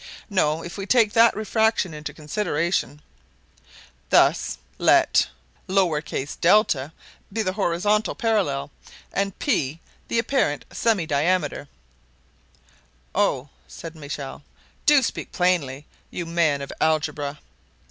No, if we take that refraction into consideration. Thus let be the horizontal parallel, and p the apparent semidiameter—" "Oh!" said Michel. "Do speak plainly, you man of algebra!"